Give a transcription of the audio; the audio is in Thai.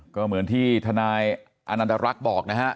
ก็เหมือนที่ทนายอนันตรักษ์บอกนะฮะ